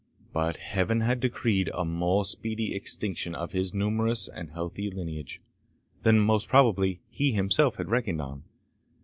But Heaven had decreed a more speedy extinction of his numerous and healthy lineage, than, most probably, he himself had reckoned on.